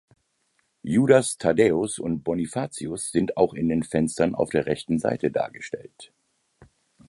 Judas Thaddäus und Bonifatius sind auch in den Fenstern auf der rechten Seite dargestellt.